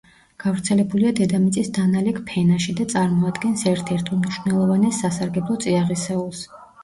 გავრცელებულია დედამიწის დანალექ ფენაში და წარმოადგენს ერთ-ერთ უმნიშვნელოვანეს სასარგებლო წიაღისეულს.